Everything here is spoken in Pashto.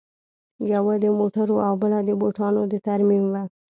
یوه د موټرو او بله د بوټانو د ترمیم وه